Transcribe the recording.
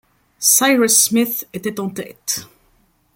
Cyrus Smith était en tête